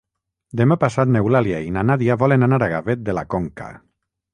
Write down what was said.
Demà passat n'Eulàlia i na Nàdia volen anar a Gavet de la Conca.